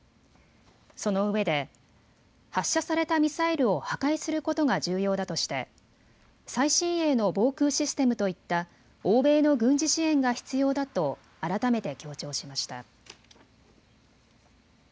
そのうえで発射されたミサイルを破壊することが重要だとして最新鋭の防空システムといった欧米の軍事支援が必要だと改めて強調しました。